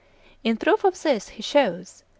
In proof of this he shews (p.